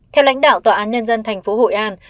theo lãnh đạo tòa án nhân dân tp hội an